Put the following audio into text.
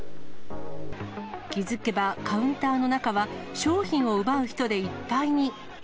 気付けばカウンターの中には、商品を奪う人でいっぱいに。